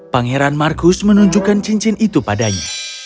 pangeran marcus menunjukkan cincin itu padanya